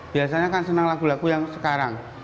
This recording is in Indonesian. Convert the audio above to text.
biasanya kan senang lagu lagu yang sekarang